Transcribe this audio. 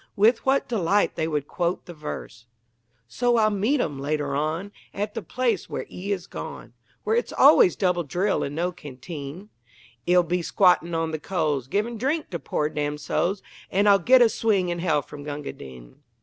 With what delight they would quote the verse: So I'll meet 'im later on, At the place where 'e is gone Where it's always double drill and no canteen; 'E'll be squattin' on the coals, Givin' drink to poor damned souls. An' I'll get a swig in hell from Gunga Din!